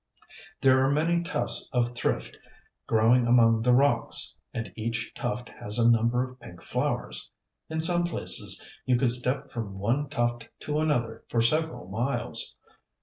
There are many tufts of Thrift growing among the rocks; and each tuft has a number of pink flowers. In some places you could step from one tuft to another for several miles.